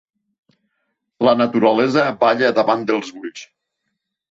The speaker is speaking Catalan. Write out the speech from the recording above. La naturalesa balla davant dels ulls